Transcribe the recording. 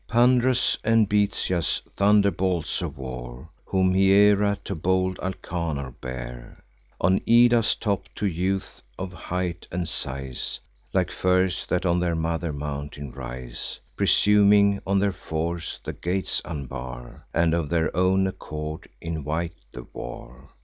Pand'rus and Bitias, thunderbolts of war, Whom Hiera to bold Alcanor bare On Ida's top, two youths of height and size Like firs that on their mother mountain rise, Presuming on their force, the gates unbar, And of their own accord invite the war.